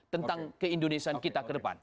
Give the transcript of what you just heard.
tentang keindonesian kita ke depan